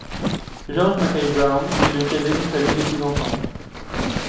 George Mackay Brown est le cadet d'une famille de six enfants.